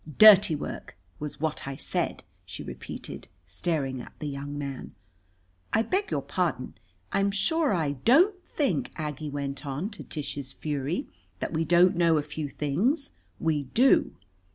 "'Dirty work' was what I said," she repeated, staring at the young man. "I beg your pardon. I'm sure I " "Don't think," Aggie went on, to Tish's fury, "that we don't know a few things. We do."